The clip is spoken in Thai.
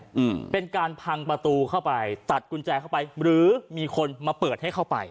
อืมเป็นการพังประตูเข้าไปตัดกุญแจเข้าไปหรือมีคนมาเปิดให้เข้าไป